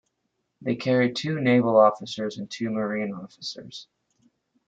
They carried two naval officers and two marine officers.